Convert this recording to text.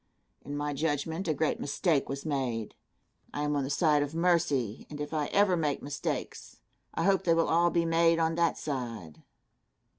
In my judgment, a great mistake was made. I am on the side of mercy, and if I ever make mistakes, I hope they will all be made on that side.